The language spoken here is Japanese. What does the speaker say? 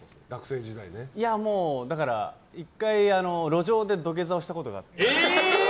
１回、路上で土下座をしたことがあって。